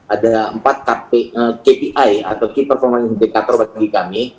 ada empat kpi atau key performance indicator bagi kami